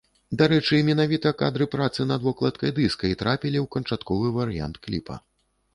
Дарэчы, менавіта кадры працы над вокладкай дыска і трапілі ў канчатковы варыянт кліпа.